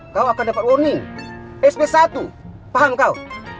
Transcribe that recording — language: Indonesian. kau akan dapat warning sp satu paham kau